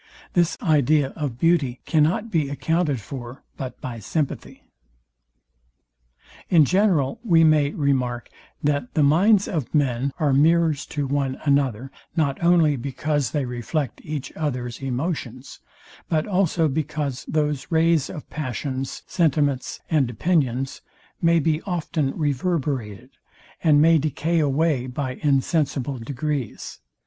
This idea of beauty cannot be accounted for but by sympathy. In general we may remark, that the minds of men are mirrors to one another, not only because they reflect each others emotions, but also because those rays of passions, sentiments and opinions may be often reverberated, and may decay away by insensible degrees.